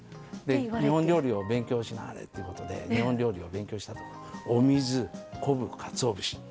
日本料理を勉強しなはれっていうことで日本料理を勉強した時にお水昆布かつお節